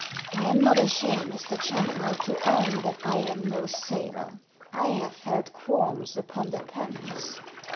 " I am not ashamed, Mr. Champnell, to own that I am no sailor. I have felt qualms upon the Thames.